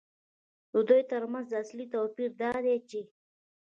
د دوی ترمنځ اصلي توپیر دا دی چې